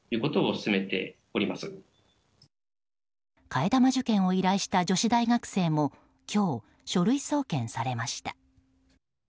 替え玉受験を依頼した女子大学生も今日、書類送検されました。